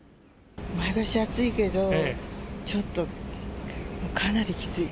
前橋は暑いけど、ちょっと、かなりきつい。